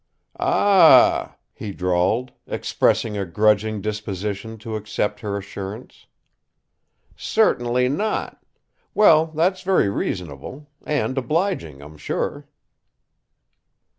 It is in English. "Ah h h!" he drawled, expressing a grudging disposition to accept her assurance. "Certainly not. Well, that's very reasonable and obliging, I'm sure."